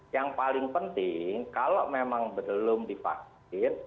yang paling penting kalau memang belum divaksin